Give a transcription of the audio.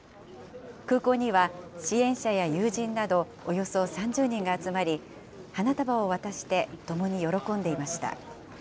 空港には支援者や友人などおよそ３０人が集まり、花束を渡してともに喜んでいました。